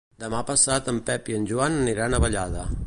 Demà passat en Pep i en Joan aniran a Vallada.